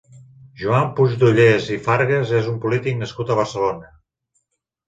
Joan Puigdollers i Fargas és un polític nascut a Barcelona.